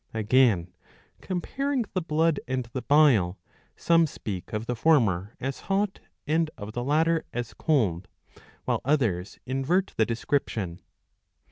Again, comparing the blood and the bile, some speak of the former as hot and of the latter as cold, while others invert the description.